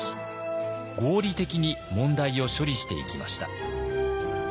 合理的に問題を処理していきました。